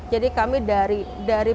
jadi kami dari